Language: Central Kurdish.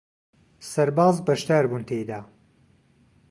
سەرباز بەشدار بوون تێیدا